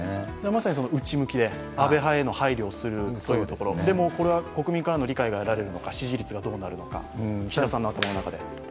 まさに内向きで、安倍派への配慮をするというところ、でもこれは国民からの理解が得られるのか、支持率がどうなるのか、岸田さんの頭の中で。